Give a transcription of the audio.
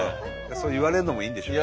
そう言われるのもいいんでしょうね。